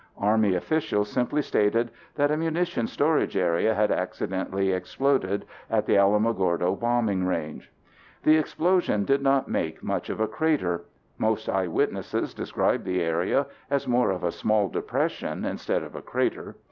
Army officials simply stated that a munitions storage area had accidentally exploded at the Alamogordo Bombing Range. The explosion did not make much of a crater. Most eyewitnesses describe the area as more of a small depression instead of a crater.